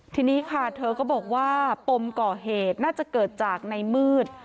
ทีนี้ค่ะเธอก็บอกว่าปมก่อเหตุน่าจะเกิดจากในมืด